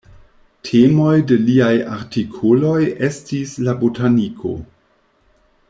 Temoj de liaj artikoloj estis la botaniko.